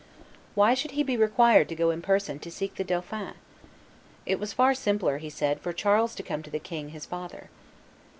Why should he be required to go in person to seek the dauphin? It was far simpler, he said, for Charles to come to the king his father.